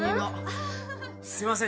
ああすいません